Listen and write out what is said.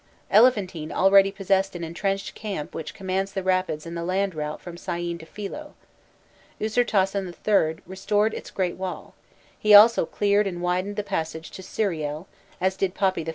Elephantine already possessed an entrenched camp which commanded the rapids and the land route from Syene to Philo. Usirtasen III. restored its great wall; he also cleared and widened the passage to Sériel, as did Papi I.